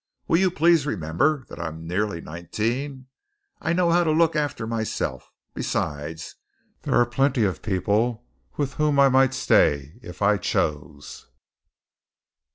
Will you please remember that I am nearly nineteen? I know how to look after myself. Besides, there are plenty of people with whom I might stay if I chose."